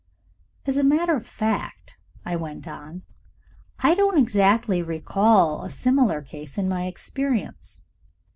"As a matter of fact," I went on, "I don't exactly recall a similar case in my experience.